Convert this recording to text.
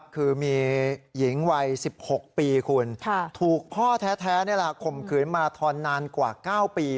คือมีหญิงวัย๑๖ปีคุณถูกพ่อแท้ข่มขืนมาทอนนานกว่า๙ปี